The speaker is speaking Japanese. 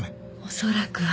恐らくは。